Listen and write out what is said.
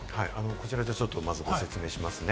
こちらでまず、ご説明します。